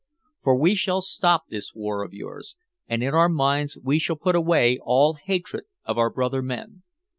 For we shall stop this war of yours and in our minds we shall put away all hatred of our brother men.